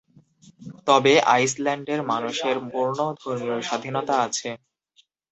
তবে আইসল্যান্ডের মানুষের পূর্ণ ধর্মীয় স্বাধীনতা আছে।